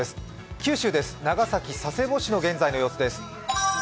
九州です、長崎・佐世保市の現在の様子です。